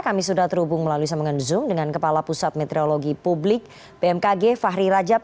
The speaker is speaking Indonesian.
kami sudah terhubung melalui sambungan zoom dengan kepala pusat meteorologi publik bmkg fahri rajab